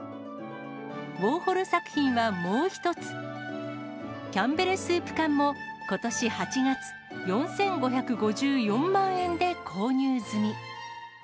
ウォーホル作品はもう１つ、キャンベル・スープ缶も、ことし８月、４５５４万円で購入済み。